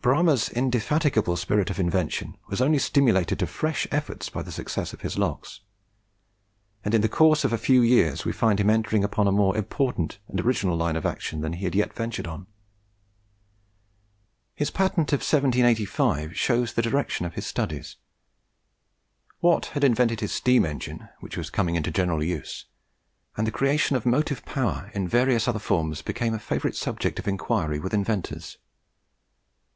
Bramah's indefatigable spirit of invention was only stimulated to fresh efforts by the success of his lock; and in the course of a few years we find him entering upon a more important and original line of action than he had yet ventured on. His patent of 1785 shows the direction of his studies. Watt had invented his steam engine, which was coming into general use; and the creation of motive power in various other forms became a favourite subject of inquiry with inventors.